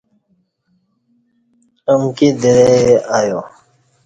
امکی درئی آیا۔